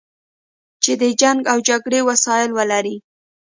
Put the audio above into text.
چې د جنګ او جګړې وسایل ولري.